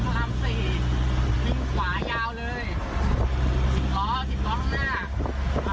ไม่ได้เล่นเกมฮะอันตรายเขาอีกอ่ะเอ้า